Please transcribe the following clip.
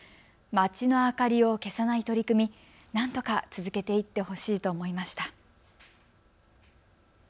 街の明かりを消さない取り組み、なんとか続けていってほしいと思いました。